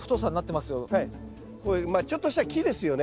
まあちょっとした木ですよね。